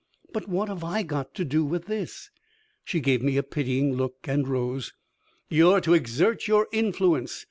"But what have I got to do with this?" She gave me a pitying look and rose. "You're to exert your influence.